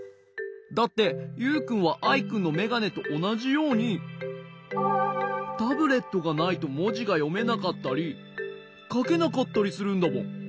だってユウくんはアイくんのめがねとおなじようにタブレットがないともじがよめなかったりかけなかったりするんだもん。